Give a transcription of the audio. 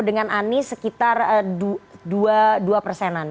dengan anies sekitar dua persenan